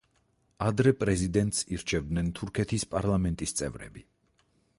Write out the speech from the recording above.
ადრე, პრეზიდენტს ირჩევდნენ თურქეთის პარლამენტის წევრები.